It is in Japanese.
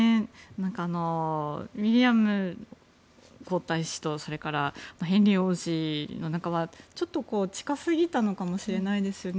ウィリアム皇太子とヘンリー王子の仲はちょっと近すぎたのかもしれないですよね。